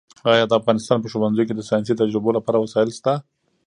ایا د افغانستان په ښوونځیو کې د ساینسي تجربو لپاره وسایل شته؟